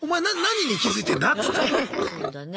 「そうだね。